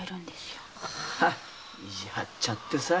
意地張っちゃってさ。